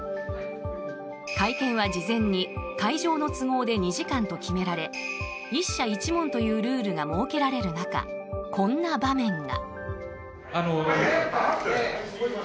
会見は事前に会場の都合で２時間と決められ１社１問というルールが設けられる中、こんな場面が。